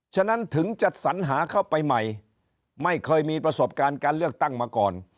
ฉะนั้นถึงจัดสัญหาเข้าไปใหม่ไม่เคยมีประสบการณ์การเลือกตั้งมาก่อน